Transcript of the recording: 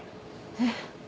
えっ？